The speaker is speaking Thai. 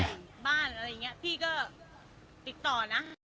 บ้านอะไรอย่างนี้พี่ก็ติดต่อนะ